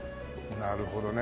なるほどね。